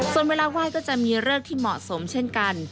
ส่วนเวลาไหว้ก็จะมีเลิกที่เหมาะสมเช่นกัน